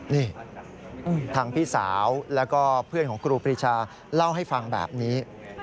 นี่ทางพี่สาวแล้วก็เพื่อนของครูปรีชาเล่าให้ฟังแบบนี้